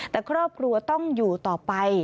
แต่ครอบครัวต้องอยู่ต่อไป